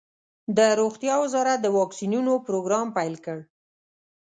د روغتیا وزارت د واکسینونو پروګرام پیل کړ.